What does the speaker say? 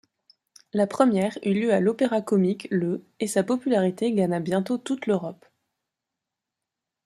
La première eut lieu à l'Opéra-Comique le et sa popularité gagna bientôt toute l'Europe.